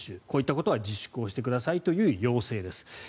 こういったことは自粛をしてくださいという要請です。